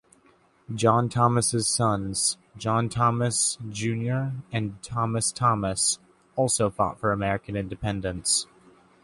John Thomas' sons, John Thomas, Junior and Thomas Thomas, also fought for American independence.